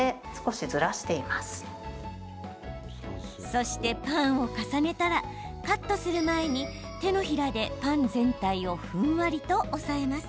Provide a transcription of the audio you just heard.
そして、パンを重ねたらカットする前に手のひらでパン全体をふんわりと押さえます。